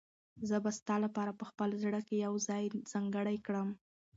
زه به ستا لپاره په خپل زړه کې یو ځای ځانګړی کړم.